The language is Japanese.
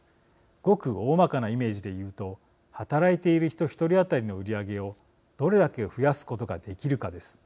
ごくおおまかなイメージで言うと働いている人１人当たりの売り上げをどれだけ増やすことができるかです。